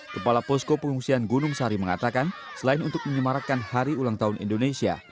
kepala posko pengungsian gunung sari mengatakan selain untuk menyemarakan hari ulang tahun indonesia